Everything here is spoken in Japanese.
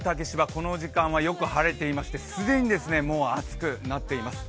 この時間はよく晴れていまして既にもう暑くなっています。